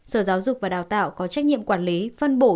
sở giáo dục và đào tạo có trách nhiệm quản lý phân bổ